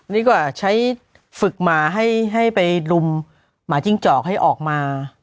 ดีกว่าใช้ฝึกหมาให้ไปรุมหมาจิ้งจอกให้ออกมา